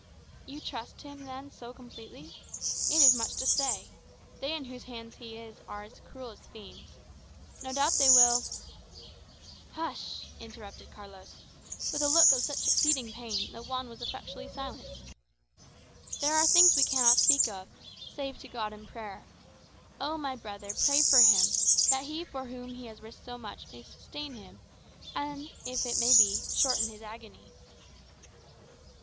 "You trust him, then, so completely? It is much to say. They in whose hands he is are cruel as fiends. No doubt they will " "Hush!" interrupted Carlos, with a look of such exceeding pain, that Juan was effectually silenced. "There are things we cannot speak of, save to God in prayer. Oh, my brother, pray for him, that He for whom he has risked so much may sustain him, and, if it may be, shorten his agony."